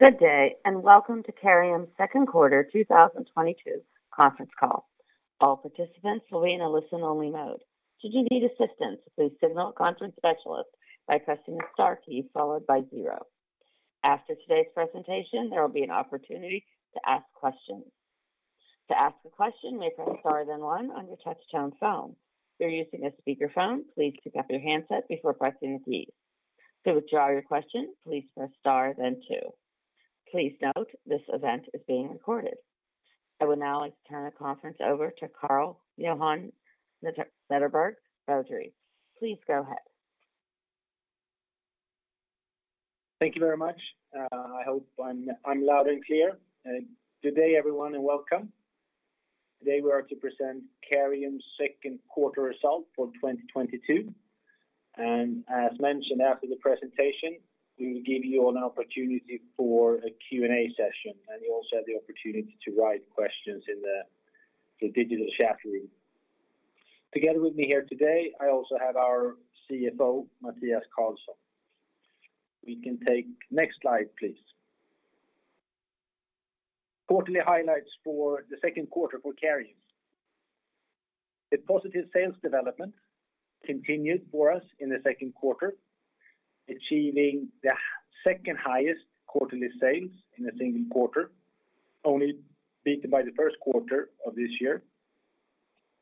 Good day, and welcome to Careium's second quarter 2022 conference call. All participants will be in a listen-only mode. Should you need assistance, please signal a conference specialist by pressing the star key followed by zero. After today's presentation, there will be an opportunity to ask questions. To ask a question, you may press star then one on your touch-tone phone. If you're using a speakerphone, please pick up your handset before pressing the keys. To withdraw your question, please press star then two. Please note, this event is being recorded. I would now like to turn the conference over to Carl-Johan Zetterberg Boudrie. Please go ahead. Thank you very much. I hope I'm loud and clear. Good day, everyone, and welcome. Today we are to present Careium's second quarter result for 2022. As mentioned after the presentation, we will give you an opportunity for a Q&A session. You also have the opportunity to write questions in the digital chat room. Together with me here today, I also have our CFO, Mathias Carlsson. We can take next slide, please. Quarterly highlights for the second quarter for Careium. The positive sales development continued for us in the second quarter, achieving the second-highest quarterly sales in a single quarter, only beaten by the first quarter of this year,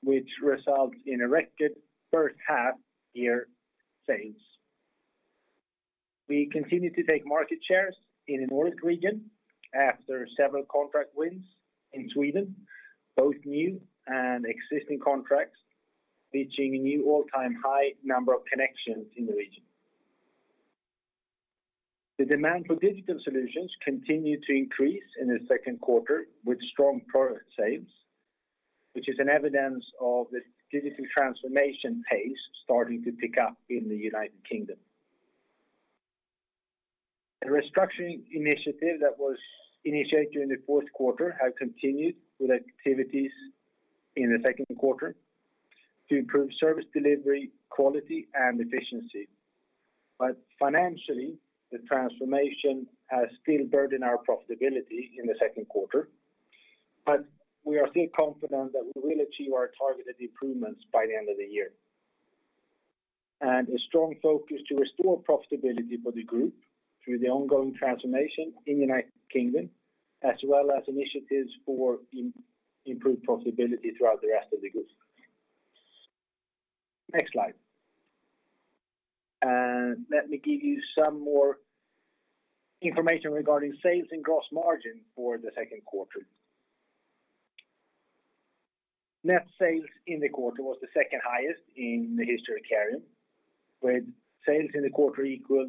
which results in a record first half year sales. We continue to take market shares in the Nordic region after several contract wins in Sweden, both new and existing contracts, reaching a new all-time high number of connections in the region. The demand for digital solutions continued to increase in the second quarter with strong product sales, which is an evidence of the digital transformation pace starting to pick up in the United Kingdom. The restructuring initiative that was initiated in the fourth quarter have continued with activities in the second quarter to improve service delivery, quality, and efficiency. Financially, the transformation has still burdened our profitability in the second quarter. We are still confident that we will achieve our targeted improvements by the end of the year. Strong focus to restore profitability for the group through the ongoing transformation in the United Kingdom, as well as initiatives for improved profitability throughout the rest of the group. Next slide. Let me give you some more information regarding sales and gross margin for the second quarter. Net sales in the quarter was the second-highest in the history of Careium, with sales in the quarter equal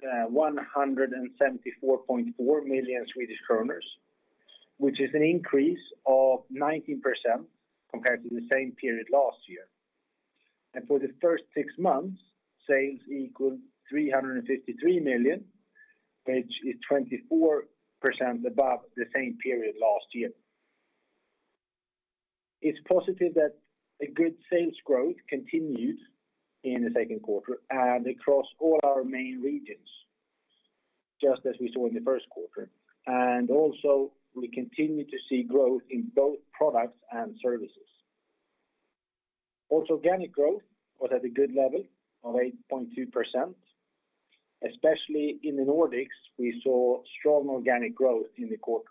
to 174.4 million Swedish kronor, which is an increase of 19% compared to the same period last year. For the first six months, sales equaled 353 million, which is 24% above the same period last year. It's positive that a good sales growth continued in the second quarter and across all our main regions, just as we saw in the first quarter. Also, we continue to see growth in both products and services. Organic growth was at a good level of 8.2%, especially in the Nordics, we saw strong organic growth in the quarter.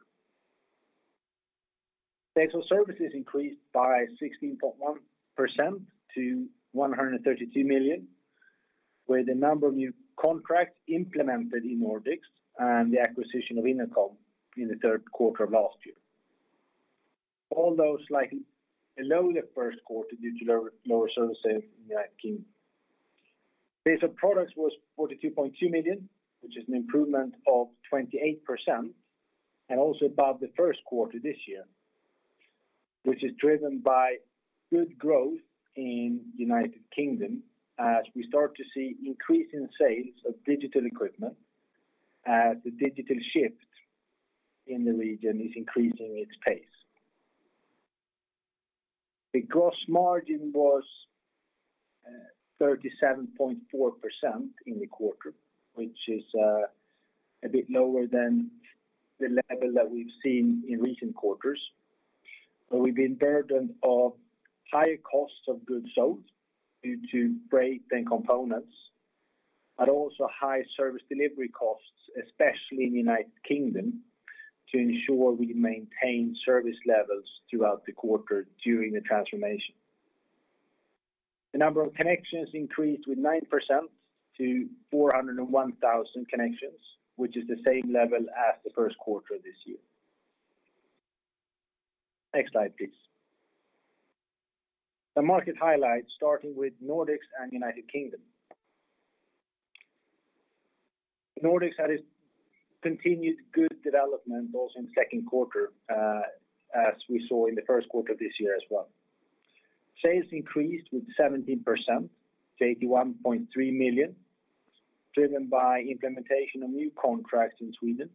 Sales of services increased by 16.1% to 132 million, with a number of new contracts implemented in Nordics and the acquisition of InnoCom in the third quarter of last year. All told slightly below the first quarter due to lower service sales in the United Kingdom. Sales of products was 42.2 million, which is an improvement of 28%, and also above the first quarter this year, which is driven by good growth in United Kingdom as we start to see increase in sales of digital equipment as the digital shift in the region is increasing its pace. The gross margin was 37.4% in the quarter, which is a bit lower than the level that we've seen in recent quarters. We've been burdened by higher costs of goods sold due to freight and components, but also high service delivery costs, especially in the United Kingdom, to ensure we maintain service levels throughout the quarter during the transformation. The number of connections increased by 9% to 401,000 connections, which is the same level as the first quarter this year. Next slide, please. The market highlights starting with Nordics and United Kingdom. Nordics had a continued good development also in second quarter, as we saw in the first quarter this year as well. Sales increased with 17% to 81.3 million, driven by implementation of new contracts in Sweden,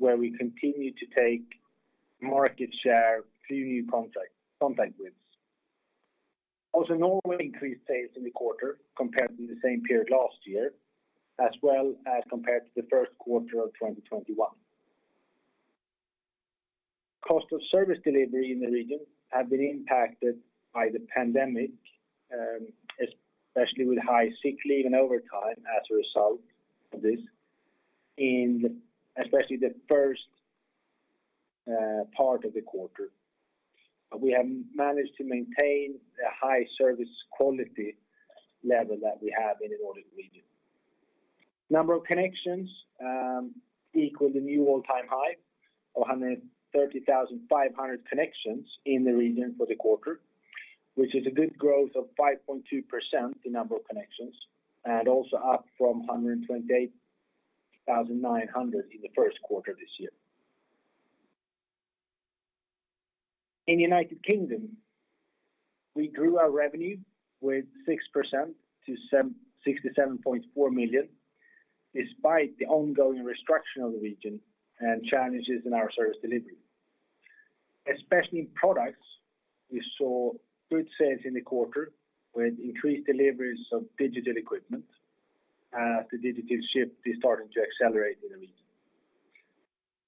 where we continue to take market share through new contract wins. Also Norway increased sales in the quarter compared to the same period last year, as well as compared to the first quarter of 2021. Cost of service delivery in the region have been impacted by the pandemic, especially with high sick leave and overtime as a result of this in especially the first part of the quarter. We have managed to maintain a high service quality level that we have in the Nordic region. Number of connections equal the new all-time high of 130,500 connections in the region for the quarter, which is a good growth of 5.2% the number of connections, and also up from 128,900 in the first quarter this year. In United Kingdom, we grew our revenue with 6% to 67.4 million, despite the ongoing restructuring of the region and challenges in our service delivery. Especially in products, we saw good sales in the quarter with increased deliveries of digital equipment as the digital shift is starting to accelerate in the region.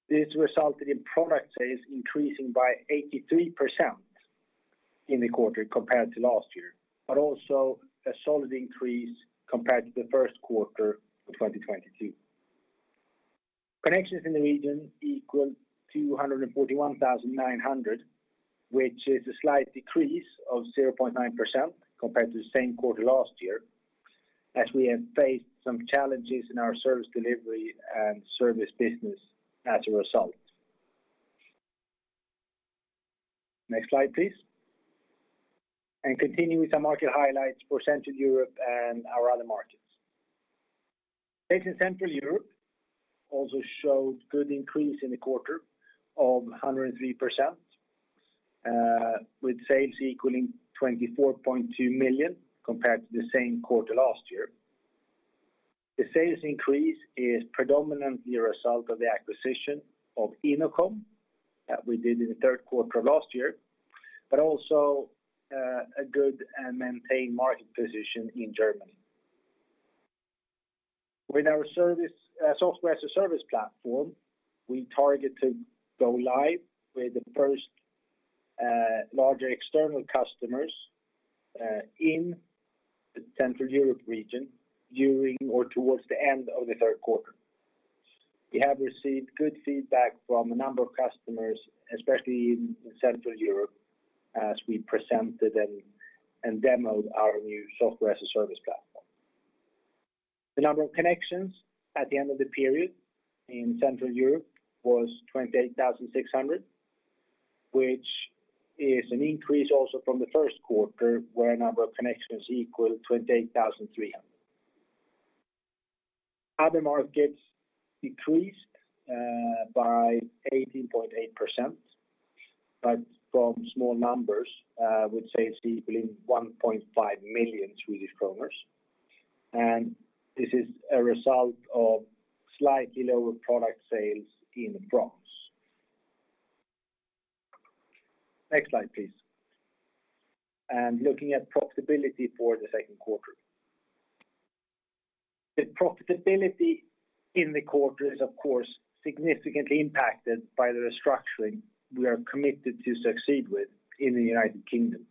This resulted in product sales increasing by 83% in the quarter compared to last year, but also a solid increase compared to the first quarter of 2022. Connections in the region equal 241,900, which is a slight decrease of 0.9% compared to the same quarter last year, as we have faced some challenges in our service delivery and service business as a result. Next slide, please. Continuing with the market highlights for Central Europe and our other markets. Sales in Central Europe also showed good increase in the quarter of 103%, with sales equaling 24.2 million compared to the same quarter last year. The sales increase is predominantly a result of the acquisition of InnoCom that we did in the third quarter of last year, but also, a good and maintained market position in Germany. With our service, Software as a Service platform, we target to go live with the first larger external customers in the Central Europe region during or towards the end of the third quarter. We have received good feedback from a number of customers, especially in Central Europe, as we presented and demoed our new Software as a Service platform. The number of connections at the end of the period in Central Europe was 28,600, which is an increase also from the first quarter, where number of connections equaled 28,300. Other markets decreased by 18.8%, but from small numbers, with sales equaling 1.5 million Swedish kronor. This is a result of slightly lower product sales in France. Next slide, please. Looking at profitability for the second quarter. The profitability in the quarter is of course significantly impacted by the restructuring we are committed to succeed with in the United Kingdom,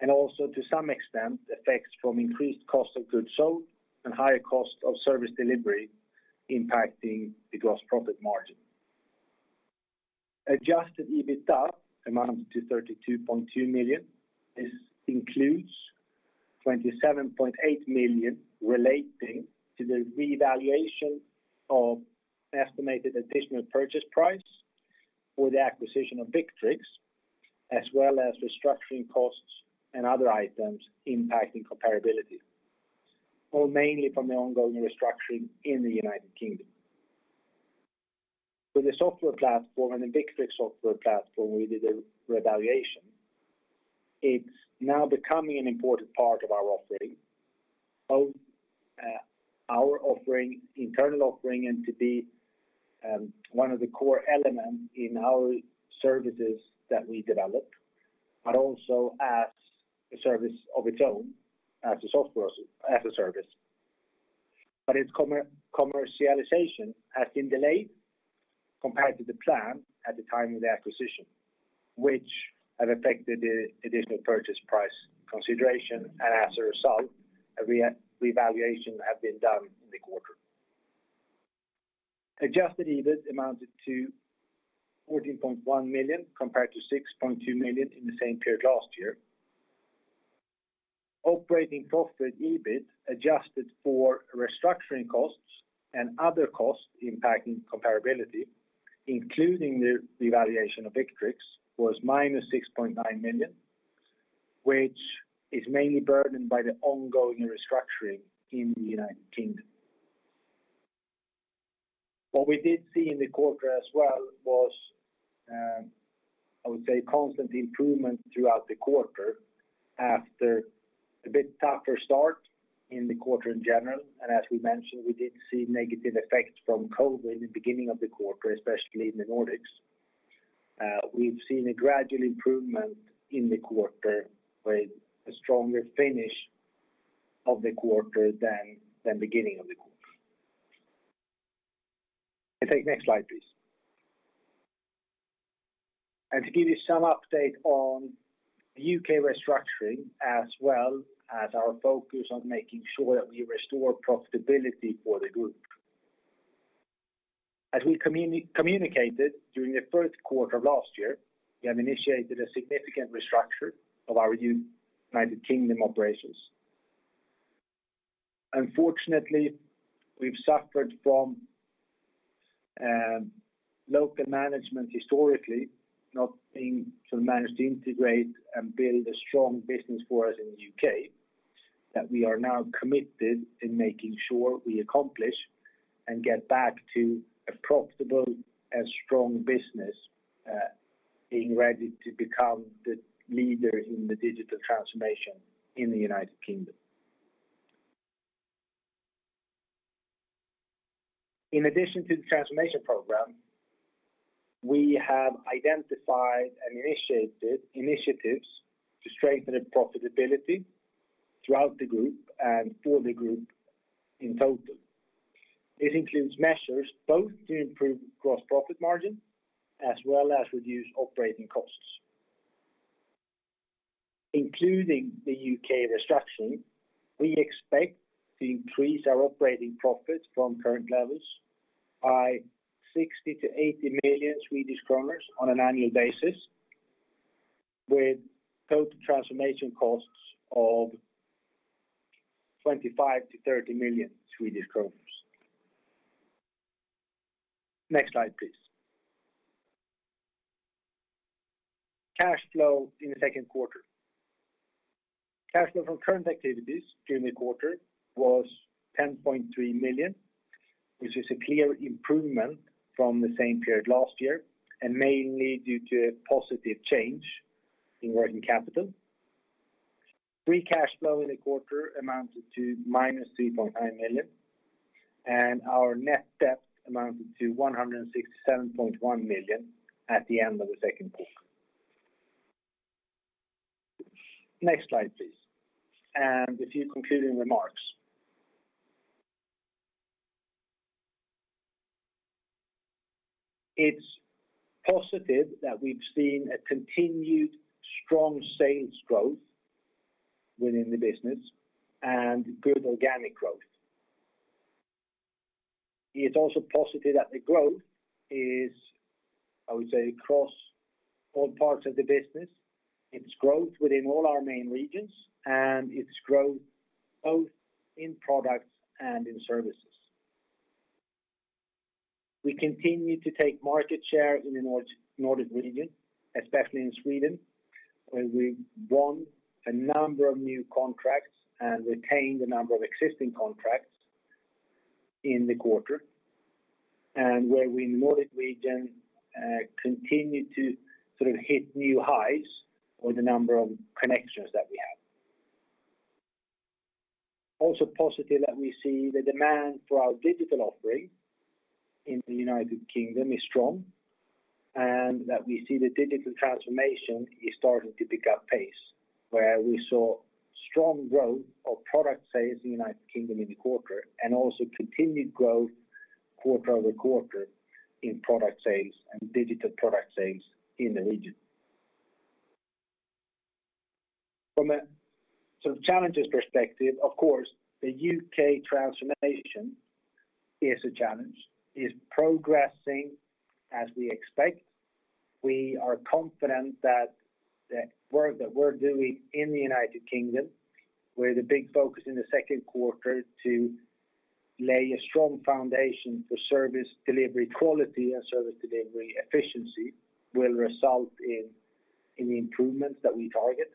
and also to some extent effects from increased cost of goods sold and higher cost of service delivery impacting the gross profit margin. Adjusted EBITDA amounted to 32.2 million. This includes 27.8 million relating to the revaluation of estimated additional purchase price for the acquisition of Victrix, as well as restructuring costs and other items impacting comparability, all mainly from the ongoing restructuring in the United Kingdom. With the software platform and the Victrix software platform, we did a revaluation. It's now becoming an important part of our internal offering and one of the core elements in our services that we develop, but also as a service of its own as a Software as a Service. Its commercialization has been delayed compared to the plan at the time of the acquisition, which have affected the additional purchase price consideration, and as a result, a revaluation have been done in the quarter. Adjusted EBIT amounted to 14.1 million compared to 6.2 million in the same period last year. Operating software EBIT, adjusted for restructuring costs and other costs impacting comparability, including the revaluation of Victrix, was -6.9 million, which is mainly burdened by the ongoing restructuring in the United Kingdom. What we did see in the quarter as well was, I would say constant improvement throughout the quarter after a bit tougher start in the quarter in general. As we mentioned, we did see negative effects from COVID in the beginning of the quarter, especially in the Nordics. We've seen a gradual improvement in the quarter with a stronger finish of the quarter than beginning of the quarter. You can take next slide, please. To give you some update on the U.K. restructuring as well as our focus on making sure that we restore profitability for the group. As we communicated during the first quarter of last year, we have initiated a significant restructure of our United Kingdom operations. Unfortunately, we've suffered from local management historically not being sort of managed to integrate and build a strong business for us in the U.K. That we are now committed in making sure we accomplish and get back to a profitable and strong business, being ready to become the leader in the digital transformation in the United Kingdom. In addition to the transformation program, we have identified and initiated initiatives to strengthen the profitability throughout the group and for the group in total. This includes measures both to improve gross profit margin as well as reduce operating costs. Including the U.K. restructuring, we expect to increase our operating profit from current levels by 60 million-80 million Swedish kronor on an annual basis with total transformation costs of SEK 25 million-SEK 30 million. Next slide, please. Cash flow in the second quarter. Cash flow from current activities during the quarter was 10.3 million, which is a clear improvement from the same period last year, and mainly due to a positive change in working capital. Free cash flow in the quarter amounted to -3.9 million, and our net debt amounted to 167.1 million at the end of the second quarter. Next slide, please. A few concluding remarks. It's positive that we've seen a continued strong sales growth within the business and good organic growth. It's also positive that the growth is, I would say, across all parts of the business. It's growth within all our main regions, and it's growth both in products and in services. We continue to take market share in the Nordic region, especially in Sweden, where we won a number of new contracts and retained a number of existing contracts in the quarter, and continued to sort of hit new highs with the number of connections that we have. Also positive that we see the demand for our digital offering in the United Kingdom is strong and that we see the digital transformation is starting to pick up pace, where we saw strong growth of product sales in the United Kingdom in the quarter and also continued growth quarter-over-quarter in product sales and digital product sales in the region. From a sort of challenges perspective, of course, the U.K. transformation is a challenge, is progressing as we expect. We are confident that that work that we're doing in the United Kingdom, where the big focus in the second quarter to lay a strong foundation for service delivery quality and service delivery efficiency will result in in the improvements that we target.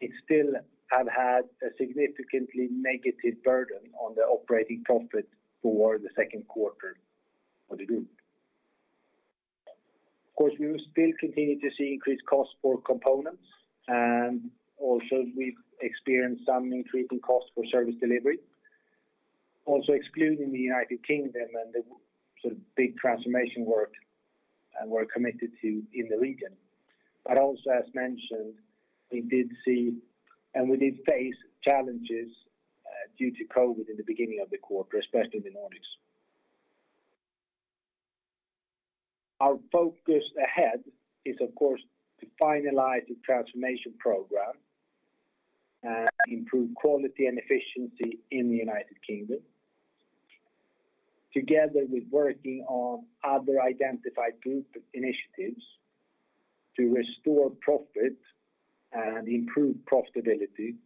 It still have had a significantly negative burden on the operating profit for the second quarter for the group. Of course, we will still continue to see increased costs for components, and also we've experienced some increasing costs for service delivery. Also excluding the United Kingdom and the sort of big transformation work, we're committed to in the region. Also as mentioned, we did see, and we did face challenges due to COVID in the beginning of the quarter, especially in the Nordics. Our focus ahead is, of course, to finalize the transformation program and improve quality and efficiency in the United Kingdom together with working on other identified group initiatives to restore profit and improve profitability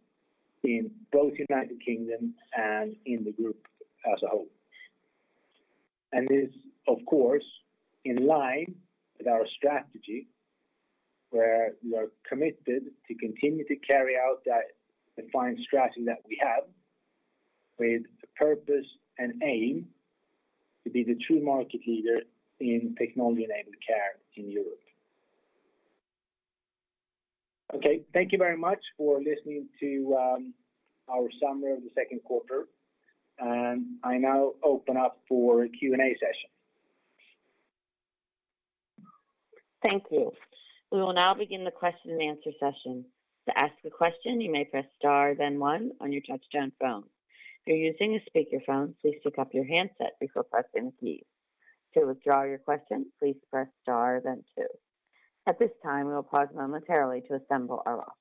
in both United Kingdom and in the group as a whole. This, of course, in line with our strategy, where we are committed to continue to carry out that defined strategy that we have with the purpose and aim to be the true market leader in technology-enabled care in Europe. Okay. Thank you very much for listening to our summary of the second quarter. I now open up for a Q&A session. Thank you. We will now begin the question and answer session. To ask a question, you may press star then one on your touchtone phone. If you're using a speakerphone, please pick up your handset before pressing the keys. To withdraw your question, please press star then two. At this time, we'll pause momentarily to assemble our roster.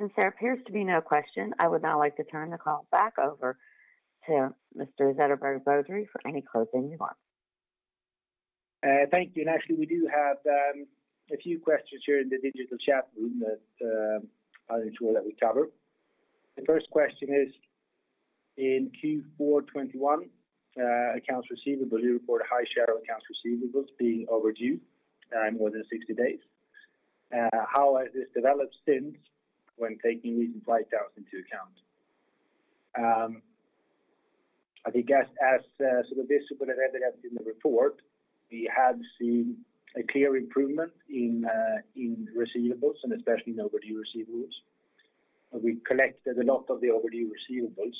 Since there appears to be no question, I would now like to turn the call back over to Mr. Zetterberg Boudrie for any closing remarks. Thank you. Actually, we do have a few questions here in the digital chat room that I'll ensure that we cover. The first question is: in Q4 2021, accounts receivable, you report a high share of accounts receivables being overdue, more than 60 days. How has this developed since when taking recent write-downs into account? I think as some of this would have evidenced in the report, we have seen a clear improvement in receivables, and especially in overdue receivables. We collected a lot of the overdue receivables,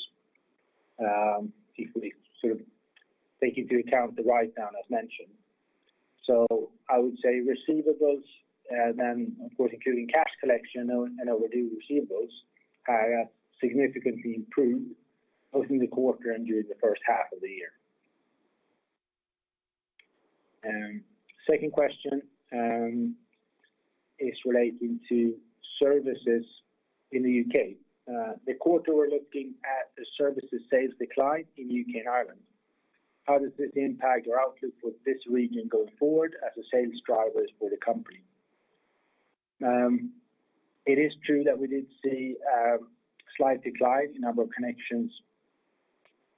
if we sort of take into account the write down as mentioned. I would say receivables, then of course, including cash collection and overdue receivables, have significantly improved both in the quarter and during the first half of the year. Second question is relating to services in the U.K. The quarter we're looking at the services sales decline in U.K. and Ireland. How does this impact your outlook for this region going forward as a sales driver for the company? It is true that we did see slight decline in number of connections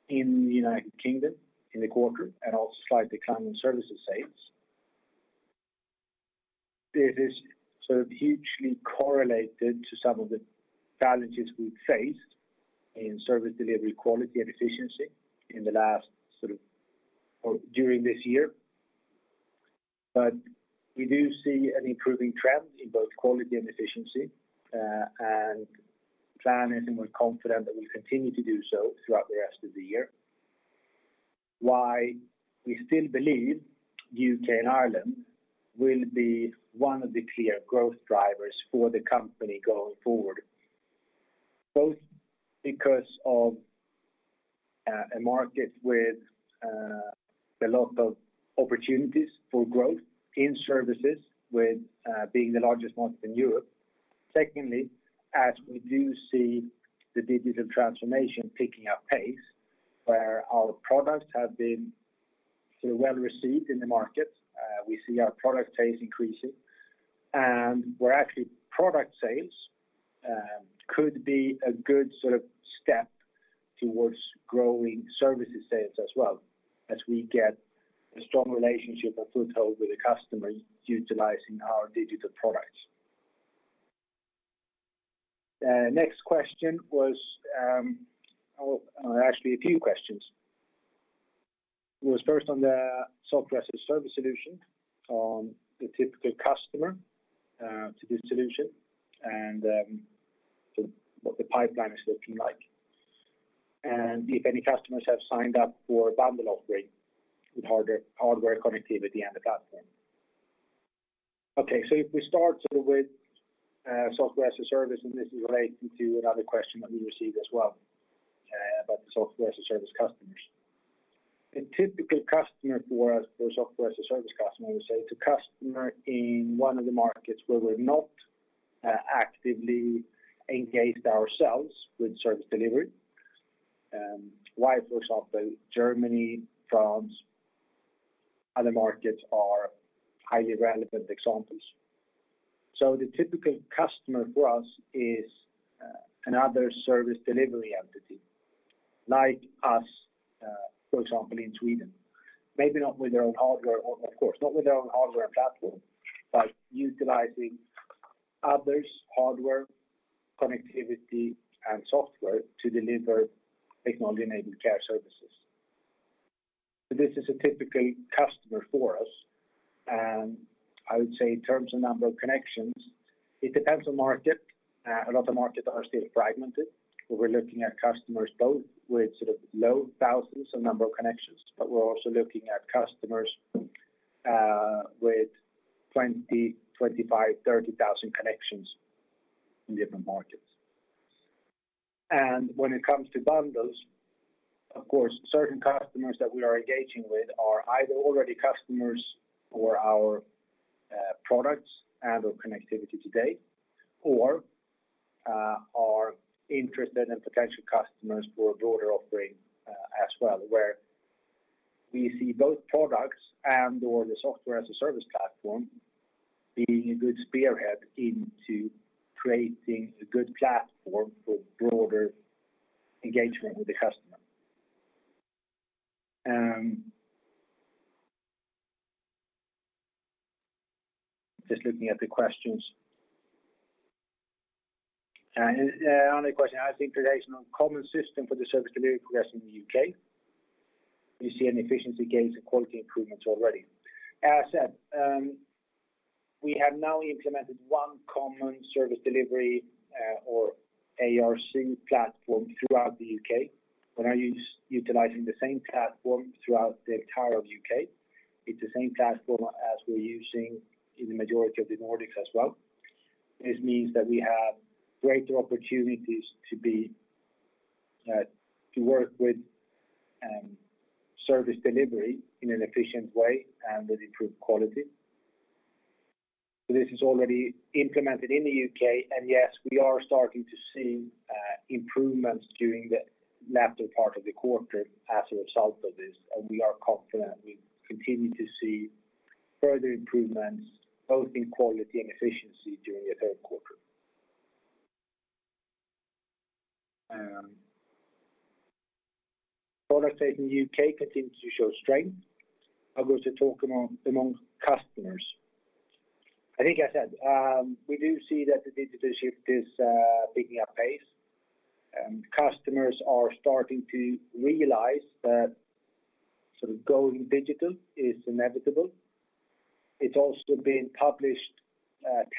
in the United Kingdom in the quarter and also slight decline in services sales. This is sort of hugely correlated to some of the challenges we've faced in service delivery quality and efficiency during this year. We do see an improving trend in both quality and efficiency, and plan and we're confident that we continue to do so throughout the rest of the year. Why we still believe U.K. and Ireland will be one of the clear growth drivers for the company going forward, both because of a market with a lot of opportunities for growth in services with being the largest market in Europe. Secondly, as we do see the digital transformation picking up pace where our products have been well received in the market, we see our product base increasing. Where actually product sales could be a good sort of step towards growing services sales as well as we get a strong relationship or foothold with the customers utilizing our digital products. Next question was, or actually a few questions. It was first on the Software as a Service solution on the typical customer to this solution and sort of what the pipeline is looking like, and if any customers have signed up for a bundle offering with hardware connectivity and the platform. Okay. If we start sort of with Software as a Service, and this is relating to another question that we received as well about the Software as a Service customers. A typical customer for us, for Software as a Service customer, we say it's a customer in one of the markets where we've not actively engaged ourselves with service delivery. Where for example, Germany, France, other markets are highly relevant examples. The typical customer for us is another service delivery entity like us, for example, in Sweden. Maybe not with their own hardware and platform, but utilizing others' hardware, connectivity and software to deliver technology-enabled care services. This is a typical customer for us. I would say in terms of number of connections, it depends on market. A lot of markets are still fragmented. We're looking at customers both with sort of low thousands of connections, but we're also looking at customers with 20, 25, 30 thousand connections in different markets. When it comes to bundles, of course, certain customers that we are engaging with are either already customers for our products and/or connectivity today, or are potential customers for a broader offering, as well, where we see both products and/or the Software as a Service platform being a good spearhead into creating a good platform for broader engagement with the customer. Just looking at the questions. The only question, I think, there is no common system for the service delivery process in the U.K. Do you see any efficiency gains or quality improvements already? As I said, we have now implemented one common service delivery or ARC platform throughout the U.K. We're now utilizing the same platform throughout the entirety of the U.K. It's the same platform as we're using in the majority of the Nordics as well. This means that we have greater opportunities to work with service delivery in an efficient way and with improved quality. This is already implemented in the U.K., and yes, we are starting to see improvements during the latter part of the quarter as a result of this, and we are confident we continue to see further improvements both in quality and efficiency during the third quarter. Product sales in the U.K. continue to show strength. How goes the talk among customers? I think I said, we do see that the digital shift is picking up pace. Customers are starting to realize that sort of going digital is inevitable. It's also been published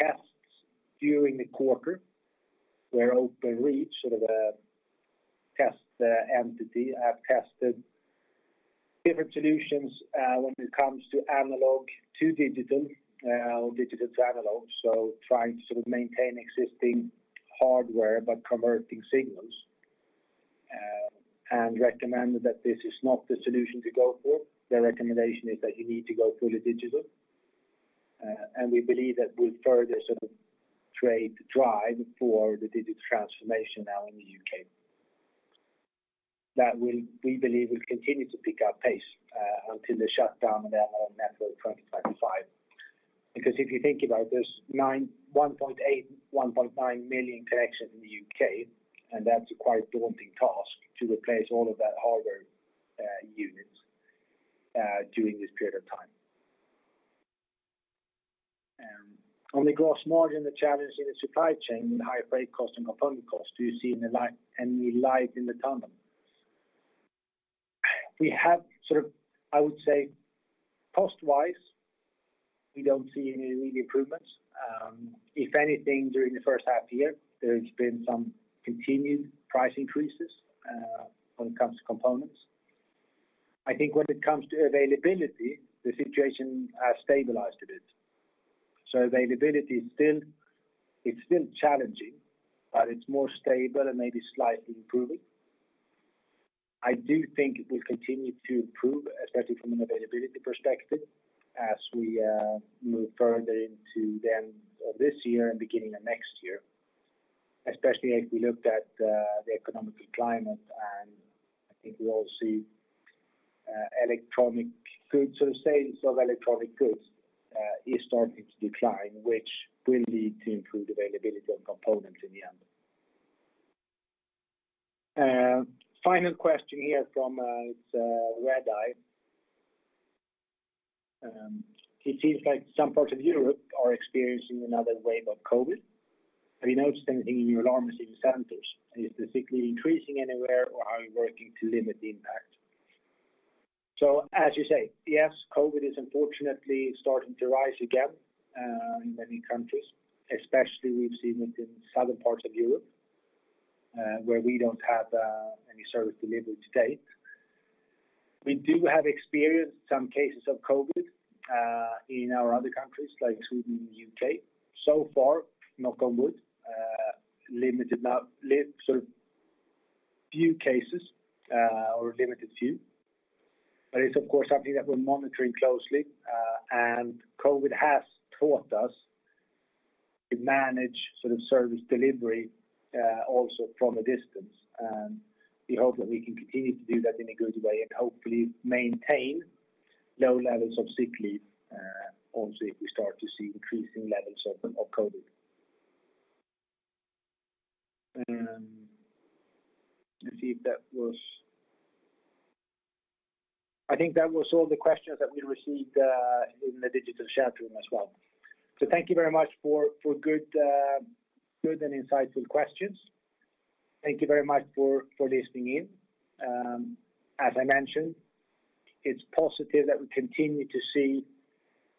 tests during the quarter, where Openreach, sort of a test entity, have tested different solutions when it comes to analog to digital or digital to analog, so trying to sort of maintain existing hardware by converting signals, and recommended that this is not the solution to go for. Their recommendation is that you need to go fully digital. We believe that will further sort of aid the drive for the digital transformation now in the U.K. We believe it will continue to pick up pace until the shutdown of the analog network in 2025. Because if you think about this, 1.8, 1.9 million connections in the U.K., and that's a quite daunting task to replace all of that hardware units during this period of time. On the gross margin, the challenge in the supply chain with higher freight cost and component costs, do you see any light in the tunnel? We have sort of I would say cost-wise, we don't see any real improvements. If anything, during the first half year, there's been some continued price increases when it comes to components. I think when it comes to availability, the situation has stabilized a bit. Availability is still, it's still challenging, but it's more stable and maybe slightly improving. I do think it will continue to improve, especially from an availability perspective, as we move further into the end of this year and beginning of next year, especially as we looked at the economic climate, and I think we all see the sales of electronic goods is starting to decline, which will lead to improved availability of components in the end. Final question here from Redeye. It seems like some parts of Europe are experiencing another wave of COVID. Have you noticed anything in your alarm receiving centers? Is the sick leave increasing anywhere, or are you working to limit the impact? As you say, yes, COVID is unfortunately starting to rise again in many countries, especially we've seen it in southern parts of Europe, where we don't have any service delivery to date. We do have experienced some cases of COVID in our other countries, like Sweden and the U.K. So far, knock on wood, limited. Now sort of few cases or limited few. It's of course something that we're monitoring closely. COVID has taught us to manage sort of service delivery also from a distance. We hope that we can continue to do that in a good way and hopefully maintain low levels of sick leave also if we start to see increasing levels of COVID. I think that was all the questions that we received in the digital chat room as well. Thank you very much for good and insightful questions. Thank you very much for listening in. As I mentioned, it's positive that we continue to see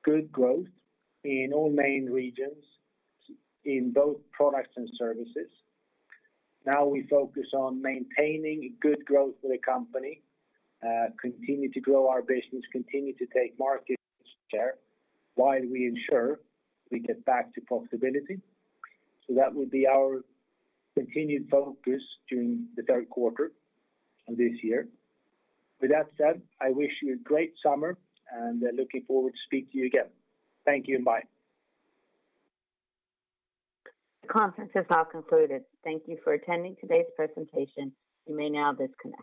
good growth in all main regions, in both products and services. Now we focus on maintaining good growth for the company, continue to grow our business, continue to take market share, while we ensure we get back to profitability. That will be our continued focus during the third quarter of this year. With that said, I wish you a great summer, and looking forward to speak to you again. Thank you and bye. The conference is now concluded. Thank you for attending today's presentation. You may now disconnect.